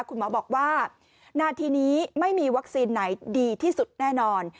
คุณหมอบอกว่านาทีนี้ไม่มีวัคซีนไหนดีที่สุดแน่นอน